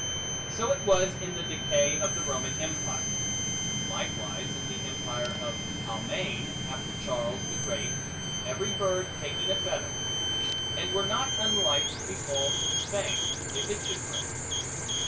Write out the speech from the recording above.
So was it in the decay of the Roman empire; and likewise in the empire of Almaigne, after Charles the Great, every bird taking a feather; and were not unlike to befall to Spain, if it should break.